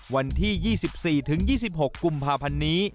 วันที่๒๔ถึง๒๖กุมภาพันธ์นี้